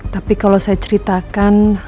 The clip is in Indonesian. tapi kalau saya ceritakan